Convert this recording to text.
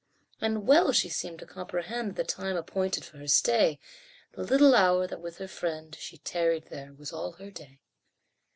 And well she seemed to comprehend The time appointed for her stay, The little hour that with her friend She tarried there was all her day.